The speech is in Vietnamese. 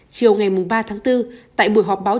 chiều ngày ba tháng bốn tại buổi họp báo